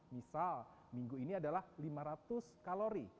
misal minggu ini adalah lima ratus kalori